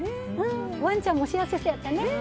ワンちゃんも幸せそうやったね。